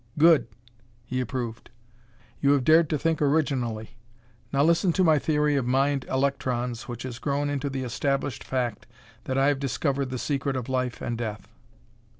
"Good!" he approved. "You have dared to think originally. Now listen to my theory of mind electrons which has grown into the established fact that I have discovered the secret of life and death."